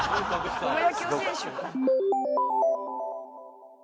プロ野球選手。